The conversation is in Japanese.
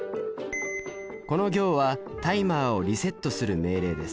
この行はタイマーをリセットする命令です。